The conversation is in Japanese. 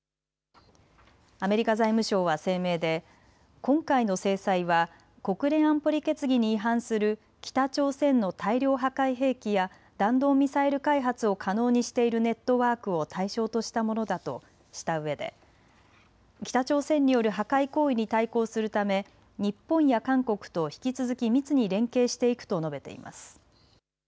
アメリカ財務省は声明で今回の制裁は国連安保理決議に違反する北朝鮮の大量破壊兵器や弾道ミサイル開発を可能にしているネットワークを対象としたものだとしたうえで北朝鮮による破壊行為に対抗するため日本や韓国と引き続き密に連携していくと述べています。